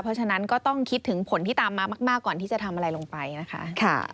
เพราะฉะนั้นก็ต้องคิดถึงผลที่ตามมามากก่อนที่จะทำอะไรลงไปนะคะ